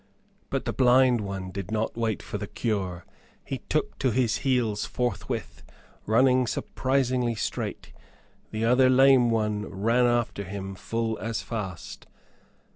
But the blind one did not wait for the cure. He took to his heels forthwith, running surprisingly straight. The other lame one ran after him full as fast.